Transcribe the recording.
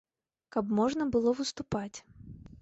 Каб можна было выступаць.